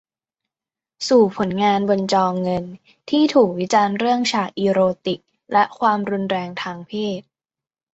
สู่ผลงานบนจอเงินที่ถูกวิจารณ์เรื่องฉากอีโรติกและความรุนแรงทางเพศ